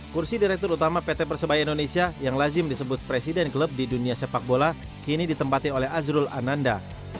kursi direktur utama pt persebaya indonesia yang lazim disebut presiden klub di dunia sepak bola kini ditempati oleh azrul ananda